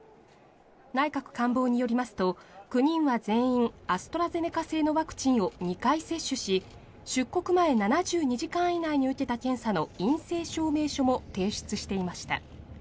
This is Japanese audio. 内閣官房によりますと９人は全員アストラゼネカ製のワクチンを２回接種し出国前７２時間以内に受けた検査の陰性証明書も提出していました。